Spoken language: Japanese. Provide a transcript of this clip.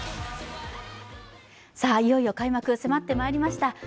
いよいよ開幕、迫ってまいりました。